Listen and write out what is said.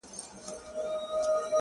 د زړه روح د زړه ارزښته قدم اخله’